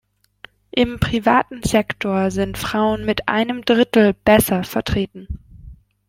Im privaten Sektor sind Frauen mit einem Drittel besser vertreten.